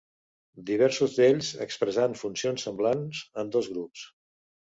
Diversos d'ells expressant funcions semblants en dos grups.